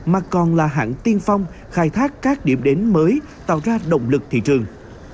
mà còn là hãng tiên phong khai thác các điểm đến mới tạo ra động lực thị trường